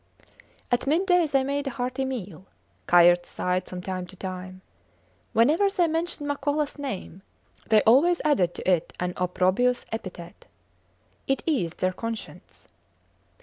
At midday they made a hearty meal. Kayerts sighed from time to time. Whenever they mentioned Makolas name they always added to it an opprobrious epithet. It eased their conscience.